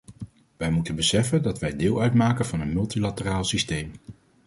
Wij moeten beseffen dat wij deel uitmaken van een multilateraal systeem.